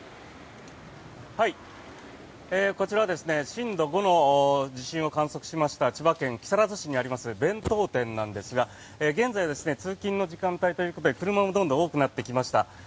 こちらは震度５の地震を観測しました千葉県木更津市にあります弁当店なんですが現在、通勤の時間帯ということで車もどんどん多くなってきました。